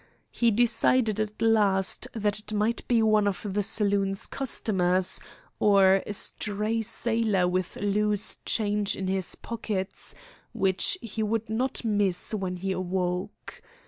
He decided at last that it might be one of the saloon's customers, or a stray sailor with loose change in his pockets, which he would not miss when he awoke.